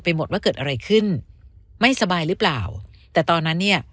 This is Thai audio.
หมดว่าเกิดอะไรขึ้นไม่สบายหรือเปล่าแต่ตอนนั้นเนี่ย